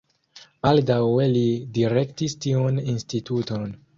Baldaŭe li direktis tiun instituton.